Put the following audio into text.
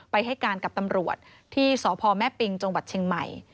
ไปให้การกับตำรวจที่สพแม่ปิงจเชียงใหม่